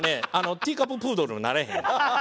ティーカッププードルになれへんねん。